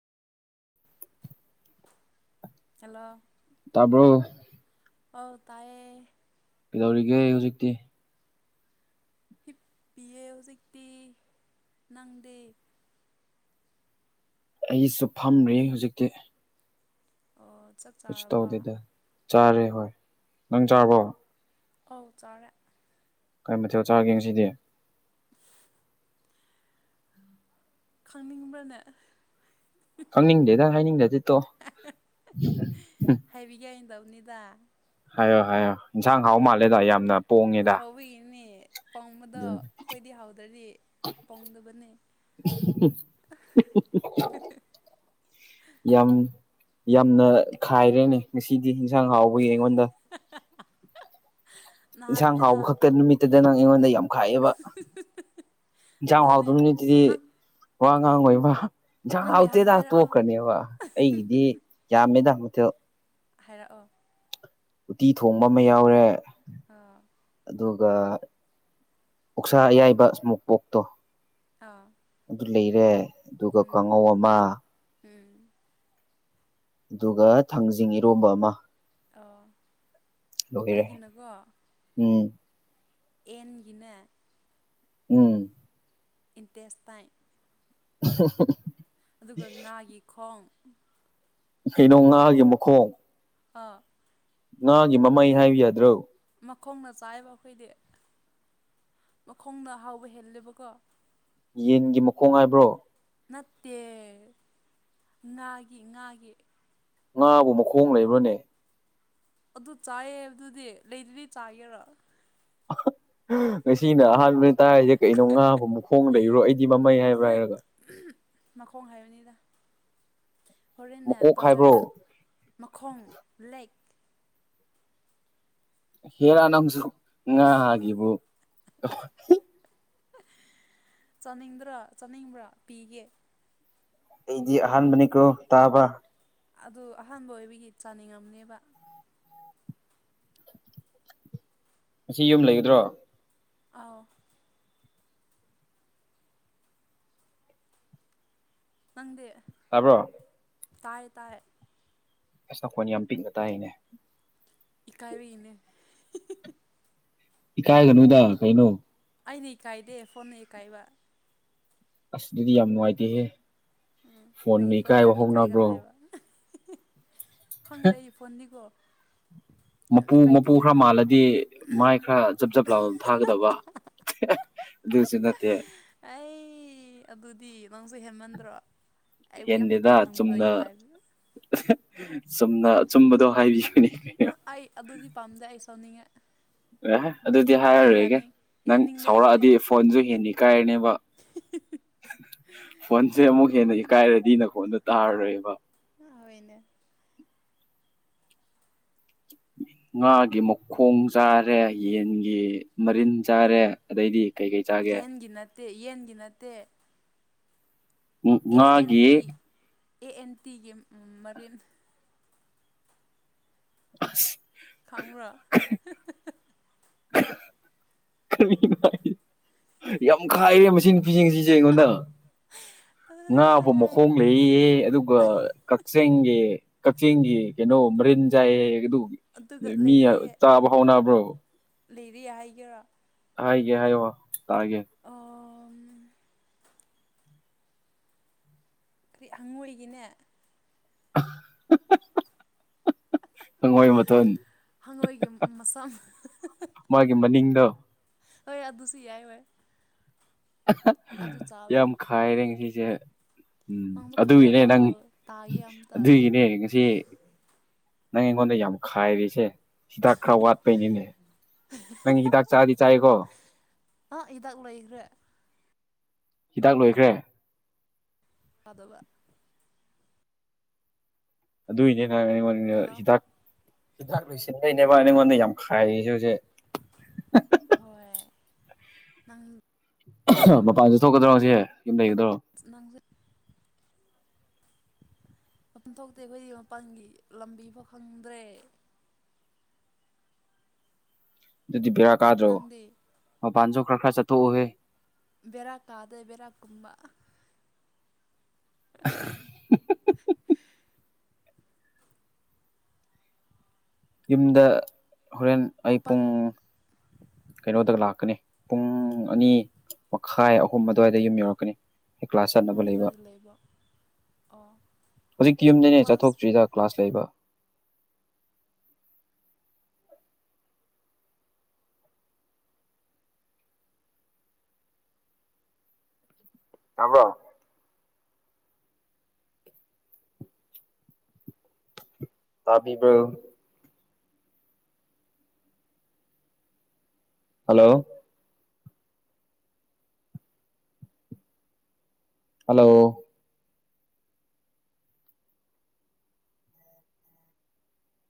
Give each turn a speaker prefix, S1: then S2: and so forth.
S1: hello
S2: ꯇꯥꯕꯣ
S1: ꯍꯧ ꯇꯑꯌꯦ
S2: ꯇꯧꯔꯤꯒꯦ ꯑꯩ ꯍꯧꯖꯤꯛꯇꯤ
S1: ꯍꯤꯞꯄꯤꯌꯦ ꯍꯧꯖꯤꯛꯇꯤ ꯅꯪꯗꯦ
S2: ꯑꯩꯁꯨ ꯐꯝꯔꯤ ꯍꯧꯖꯤꯛꯇꯤ
S1: ꯑꯣ ꯆꯞ
S2: ꯀꯩꯁꯨ
S1: ꯆꯥꯔꯕ
S2: ꯇꯧꯗꯦꯗ ꯆꯥꯔꯦ ꯍꯣꯏ ꯅꯪ ꯆꯥꯔꯕꯣ
S1: ꯑꯥꯎ ꯆꯥꯔꯦ
S2: ꯀꯔꯤ ꯃꯊꯦꯜ ꯆꯥꯒꯦ ꯉꯁꯤꯗꯤ
S1: ꯈꯪꯅꯤꯡꯕ꯭ꯔꯅꯦ
S2: ꯈꯪꯅꯤꯡꯗꯦꯗꯪ ꯍꯥꯏꯅꯤꯡꯗꯗꯤꯠꯇꯣ
S1: ꯅꯤꯗꯥ
S2: ꯍꯥꯏꯌꯣ ꯍꯥꯏꯌꯣ ꯌꯦꯟꯁꯥꯡ ꯍꯥꯎ ꯃꯥꯜꯂꯦꯗ ꯌꯥꯝꯅ ꯄꯣꯡꯉꯦꯗ
S1: ꯍꯥꯎꯕꯤꯒꯤꯅꯤ ꯄꯣꯡꯕꯗꯣ
S2: ꯑꯗꯨꯅꯤ
S1: ꯑꯩꯈꯣꯏꯗꯤ ꯍꯥꯎꯗꯔꯤ ꯄꯣꯡꯗꯕꯅꯤ
S2: ꯌꯥꯝ ꯌꯥꯝꯅ ꯈꯥꯏꯔꯦꯅꯦ ꯉꯁꯤꯗꯤ ꯌꯦꯟꯁꯥꯡ ꯍꯥꯎꯕꯒꯤ ꯑꯩꯉꯣꯟꯗ
S1: ꯅꯍꯥꯟ
S2: ꯏꯟꯁꯥꯡ
S1: ꯍꯦꯟꯅ
S2: ꯍꯥꯎꯕ ꯈꯛꯇ ꯅꯨꯃꯤꯠꯇꯨꯗ ꯅꯪ ꯑꯩꯉꯣꯟꯗ ꯌꯥꯝ ꯈꯥꯏꯑꯦꯕ ꯌꯦꯟꯁꯥꯡ
S1: ꯑꯗꯨꯅꯦ
S2: ꯍꯥꯎꯗꯕꯅꯤ ꯑꯗꯨꯗꯤ
S1: ꯅꯪ
S2: ꯋꯥ ꯉꯥꯡ ꯑꯣꯏꯣꯏꯕ
S1: ꯅꯪꯒꯤ ꯍꯥꯟꯅ
S2: ꯍꯥꯎꯇꯦꯗ
S1: ꯍꯥꯏꯔꯛꯑꯣ
S2: ꯇꯣꯛꯀ꯭ꯔꯅꯦꯕ ꯑꯩꯒꯤꯗꯤ ꯌꯥꯝꯃꯦꯗ ꯃꯊ
S1: ꯍꯥꯏꯔꯛꯑꯣ
S2: ꯎꯇꯤ ꯊꯣꯡꯕ ꯑꯃ ꯌꯥꯎꯔꯦ
S1: ꯑ
S2: ꯑꯗꯨꯒ ꯎꯛꯁꯥ ꯑꯌꯥꯏꯕ ꯏꯁꯃꯣꯛ ꯄꯣꯛꯇꯣ
S1: ꯑꯥ
S2: ꯑꯗꯨ ꯂꯩꯔꯦ ꯑꯗꯨꯒ
S1: ꯎꯝ
S2: ꯀꯥꯡꯉꯧ ꯑꯃ
S1: ꯎꯝ
S2: ꯑꯗꯨꯒ ꯊꯥꯡꯖꯤꯡ ꯏꯔꯣꯝꯕ ꯑꯃ
S1: ꯑ
S2: ꯂꯔꯦ ꯎꯝ
S1: ꯑꯦꯟꯒꯤꯅ
S2: ꯎꯝ
S1: ꯏꯟꯇꯦꯁꯏ
S2: [inaudible]
S1: ꯑꯗꯨꯒ ꯉꯥꯒꯤ ꯈꯣꯡ
S2: ꯀꯩꯅꯣ ꯉꯥꯒꯤ ꯃꯈꯣꯡ
S1: ꯑ
S2: ꯉꯥꯒꯤ ꯃꯃꯩ ꯍꯥꯏꯕ ꯌꯥꯗ꯭ꯔꯣ
S1: ꯃꯈꯣꯡꯅ ꯆꯥꯏꯕ ꯑꯩꯈꯣꯏꯗꯤ ꯃꯈꯣꯡꯅ ꯑꯍꯥꯎꯕ ꯍꯦꯜꯂꯦꯕꯀꯣ
S2: ꯌꯦꯟꯒꯤ ꯃꯈꯣꯡ ꯍꯥꯏꯕ꯭ꯔꯣ
S1: ꯅꯠꯇꯦ ꯉꯥꯒꯤ ꯉꯥꯒꯤ
S2: ꯉꯥꯕꯨ ꯃꯈꯣꯡ ꯂꯩꯕ꯭ꯔꯅꯦ
S1: ꯑꯗꯨ ꯆꯥꯏꯌꯦ ꯑꯗꯨꯗꯤ ꯂꯩꯗꯨꯗꯤ ꯆꯥꯒꯦꯔꯥ
S2: ꯉꯁꯤꯅ ꯑꯍꯥꯟꯕꯅ‌ꯦ ꯇꯥꯔꯤꯁꯦ ꯀꯩꯅꯣ ꯉꯥꯕꯨ ꯃꯈꯣꯡ ꯂꯩꯕꯔꯣ ꯑꯩꯗꯤ ꯃꯃꯩ ꯍꯥꯏꯕ꯭ꯔꯥ
S1: ꯍꯣꯔꯦꯟ
S2: ꯍꯥꯏꯔꯒ
S1: ꯍꯣꯔꯦꯟꯅ
S2: ꯃꯀꯣꯛ ꯍꯥꯏꯕ꯭ꯔꯣ
S1: ꯕꯖꯥꯔꯗ ꯃꯈꯣꯡ ꯂꯦꯛ
S2: ꯍꯦꯔꯥ ꯅꯪꯁꯨ ꯉꯥ ꯒꯤꯕꯨ
S1: ꯆꯥꯅꯤꯡꯗ꯭ꯔꯥ ꯆꯥꯅꯤꯡꯕ꯭ꯔꯥ ꯄꯤꯒꯦ
S2: ꯑꯩꯗꯤ ꯑꯍꯥꯟꯕꯅꯤꯀꯣ ꯇꯥꯕ
S1: ꯑꯗꯨ ꯑꯍꯥꯟꯕ ꯑꯣꯏꯕꯒꯤ ꯆꯥꯅꯤꯡꯉꯝꯅꯦꯕ
S2: ꯉꯁꯤ ꯌꯨꯝ ꯂꯩꯒꯗ꯭ꯔꯣ
S1: ꯑꯧ ꯅꯪꯗꯤ
S2: ꯇꯥꯕ꯭ꯔꯣ
S1: ꯇꯥꯏꯌ‌ꯦ ꯇꯥꯏ
S2: ꯑꯁ ꯅꯈꯣꯟ ꯌꯥꯝ ꯄꯤꯛꯅ ꯇꯥꯏꯅꯦ
S1: ꯏꯀꯥꯏꯔꯤꯅ‌ꯦ
S2: ꯏꯀꯥꯏꯒꯅꯨꯗ ꯀꯩꯅꯣ
S1: ꯑꯩꯅ ꯏꯀꯥꯏꯗꯦ ꯐꯣꯟꯅ ꯏꯀꯥꯏꯕ
S2: ꯑꯁ ꯑꯗꯨꯗꯤ ꯌꯥꯝ ꯅꯨꯡꯉꯥꯏꯇꯦꯍꯦ
S1: ꯎꯝ
S2: ꯐꯣꯟꯅ
S1: ꯑꯩꯒꯤ ꯐꯣꯟꯁꯨ
S2: ꯏꯀꯥꯏꯕ
S1: ꯌꯥꯝ
S2: ꯍꯧꯅꯕ꯭ꯔꯣ
S1: ꯏꯀꯥꯏꯒꯜꯂꯦꯕ ꯈꯪꯗ‌ꯦ ꯑꯩ ꯐꯣꯟꯅꯤꯀꯣ
S2: ꯃꯄꯨ ꯃꯄꯨ ꯈꯔ ꯃꯥꯜꯂꯗꯤ ꯃꯥꯏ ꯈꯔ ꯖꯞ ꯖꯞ ꯂꯥꯎ ꯊꯥꯒꯗꯕ ꯑꯗꯨꯁꯨ ꯅꯠꯇ‌ꯦ
S1: ꯑꯩ ꯑꯗꯨꯗꯤ ꯅꯪꯁꯨ ꯍꯦꯟꯃꯟꯗ꯭ꯔꯣ ꯑꯩꯕꯨ ꯌꯥꯝ
S2: ꯍꯦꯟꯗꯦꯗ
S1: ꯏꯀꯥꯏ
S2: ꯆꯨꯝꯅ
S1: ꯈꯪꯗꯕꯒꯤ ꯇꯥꯏꯞ
S2: ꯆꯨꯝꯅ ꯑꯆꯨꯝꯕꯗꯣ ꯍꯥꯏꯕꯤ
S1: ꯑꯩ ꯑꯗꯨꯗꯤ ꯄꯥꯝꯗꯦ ꯑꯩ ꯁꯥꯎꯅꯤꯡꯉꯦ
S2: ꯑꯦ ꯑꯗꯨꯗꯤ
S1: ꯑꯩ
S2: ꯍꯥꯏꯔꯔꯣꯏꯒꯦ
S1: ꯌꯥꯅꯤꯡ
S2: ꯅꯪ
S1: ꯌꯥꯅꯤꯡꯗꯦ ꯑꯗꯨꯗꯤ
S2: ꯁꯥꯎꯔꯛꯑꯗꯤ ꯐꯣꯟꯁꯨ ꯍꯦꯟꯅ ꯏꯀꯥꯏꯔꯅꯤꯕ ꯐꯣꯟꯁꯦ ꯑꯃꯨꯛ ꯍꯦꯟꯅ ꯏꯀꯥꯏꯔꯗꯤ ꯅꯈꯣꯟꯗ‌ꯣ ꯇꯥꯔꯔꯣꯏꯕ
S1: ꯑ ꯍ‌ꯣꯏꯅꯦ
S2: [inaudible] ꯉꯥꯒꯤ ꯃꯈꯣꯡ ꯆꯥꯔꯦ ꯌꯦꯟꯒꯤ ꯃꯔꯤꯟ ꯆꯥꯔꯦ ꯑꯗꯩꯗꯤ ꯀꯩ ꯀꯩ ꯆꯥꯒꯦ
S1: ꯌꯦꯟꯒꯤ ꯅꯠꯇꯦ ꯌꯦꯟꯒꯤ ꯅꯠꯇꯦ
S2: ꯎꯝ
S1: ꯑꯦ ꯑꯦꯟ
S2: ꯉꯥꯒꯤ
S1: ꯇꯤ ꯑꯦ ꯑꯦꯟ ꯇꯤꯒꯤ ꯃꯔꯤꯟ
S2: ꯑꯁ
S1: ꯈꯪꯕ꯭ꯔ‌ꯣ
S2: ꯀꯔꯤꯅ‌ꯣ [unintelligible] ꯌꯥꯝ ꯈꯥꯏꯔꯦ ꯃꯁꯤ ꯅꯨꯄꯤꯖꯦ ꯉꯁꯤꯁꯦ ꯑꯩꯉꯣꯟꯗ ꯉꯥꯕꯨ ꯃꯈꯣꯡ ꯂꯩꯌꯦ ꯑꯗꯨꯒ ꯀꯛꯆ‌ꯦꯡꯒꯤ ꯀꯛꯆꯦꯡꯒꯤ ꯀꯩꯅꯣ ꯃꯔꯤꯟ ꯆꯥꯏ ꯑꯗꯨ
S1: ꯑꯗꯨꯒ
S2: ꯃꯤ ꯆꯥꯕ ꯍꯧꯅꯕ꯭ꯔꯣ
S1: ꯂꯩꯔꯤ ꯍꯥꯏꯒꯦꯔꯥ
S2: ꯍꯥꯏꯒꯦ ꯍꯥꯏ ꯋꯥ
S1: ꯀꯔꯤ ꯍꯪꯉꯣꯏꯒꯤꯅꯦ
S2: [unintelligible] ꯍꯪꯉꯣꯏ ꯃꯊꯨꯟ
S1: ꯍꯪꯉꯣꯏꯒꯤ ꯃꯁꯝ
S2: ꯃꯥꯒꯤ ꯃꯅꯤꯡꯗ
S1: ꯍꯣꯏ ꯑꯗꯨꯁꯨ ꯌꯥꯏ ꯍꯣꯏ ꯑꯗꯨ
S2: ꯌꯥꯝ
S1: ꯆꯥꯕꯅꯦ
S2: ꯈꯥꯏꯔꯦ ꯉꯁꯤꯁꯦ ꯎꯝ
S1: ꯅꯪꯁꯨ
S2: ꯑꯗꯨꯒꯤꯅꯦ
S1: ꯈꯥꯏꯔꯛꯑꯣ
S2: ꯅꯪ
S1: ꯇꯥꯒꯦ ꯑꯝꯇ
S2: ꯑꯗꯨꯒꯤꯅꯦ ꯉꯁꯤ ꯅꯪ ꯑꯩꯉꯣꯟꯗ ꯌꯥꯝ ꯈꯥꯏꯔꯤꯁꯦ ꯍꯤꯗꯥꯛ ꯈꯔ ꯋꯥꯠꯄꯩꯅꯤꯅꯦ ꯅꯪ ꯍꯤꯗꯥꯛ ꯆꯥꯗꯤ ꯆꯥꯏꯀꯣ
S1: ꯑ ꯍꯤꯗꯥꯛ ꯂꯣꯏꯈꯔꯦ
S2: ꯍꯤꯗꯥꯛ ꯂꯣꯏꯈ꯭ꯔꯦ
S1: ꯑꯗꯕ
S2: ꯑꯗꯨꯏꯅꯦ ꯅꯪ ꯑꯩꯉꯣꯟꯗ
S1: ꯍꯜꯂꯣ
S2: ꯍꯤꯗꯥꯛ ꯑꯩꯅꯦꯕ ꯑꯩꯉꯣꯟꯗ ꯌꯥꯝ ꯈꯥꯏꯔꯤꯁꯦ ꯍꯧꯖꯤꯛ
S1: ꯍꯣꯏ ꯅꯪ
S2: ꯃꯄꯥꯟꯁꯨ ꯊꯣꯛꯀꯗ꯭ꯔꯣꯁꯦ ꯌꯨꯝ ꯂꯩꯒꯗ
S1: ꯅꯪꯁꯤ ꯃꯄꯟ ꯊꯣꯛꯇꯤ ꯑꯩꯈꯣꯏꯗꯤ ꯃꯄꯥꯟꯒꯤ ꯂꯝꯕꯤ ꯐꯥꯎ ꯐꯪꯗ꯭ꯔꯦ
S2: ꯑꯗꯨꯗꯤ ꯕꯦꯔꯥ ꯀꯥꯗ꯭ꯔꯣ
S1: ꯅꯪꯗꯤ
S2: ꯃꯄꯥꯟꯁꯨ ꯈꯔ ꯈꯔ ꯆꯠꯊꯣꯛꯎꯍꯦ
S1: ꯕꯤꯔꯥ ꯀꯥꯗꯦ ꯕꯤꯔꯥ ꯀꯨꯝꯕ
S2: ꯍꯨꯝ ꯍꯨꯝ ꯌꯨꯝꯗ ꯍꯣꯔꯦꯟ ꯑꯩ
S1: ꯃꯥꯄꯜ
S2: ꯄꯨꯡ ꯀꯩꯅꯣꯗ ꯂꯥꯛꯀꯅꯤ ꯄꯨꯡ ꯑꯅꯤ ꯃꯈꯥꯏ ꯑꯍꯨꯝ ꯑꯗꯨꯋꯥꯏꯗ ꯌꯨꯝ ꯌꯧꯔꯛꯀꯅꯤ ꯑꯩ ꯀ꯭ꯂꯥꯁ ꯆꯠꯅꯕ
S1: ꯅꯪꯗꯤ
S2: ꯂꯩꯕ
S1: ꯀꯥꯏꯗ ꯂꯩꯕ꯭ꯥꯔ
S2: ꯍꯧꯖꯤꯛꯇꯤ ꯌꯨꯝꯗꯅꯦ ꯆꯠꯊꯣꯛꯇ꯭ꯔꯤꯗ ꯀ꯭ꯂꯥꯁ ꯂꯩꯕ ꯇꯕ꯭ꯔꯣ ꯇꯥꯕꯤꯕ ꯍꯜꯂꯣ ꯍꯜꯂꯣ